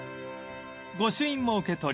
［御朱印も受け取り